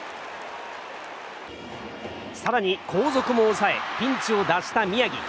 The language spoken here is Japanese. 更に後続も抑えピンチを脱した宮城。